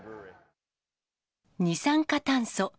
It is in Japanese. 二酸化炭素。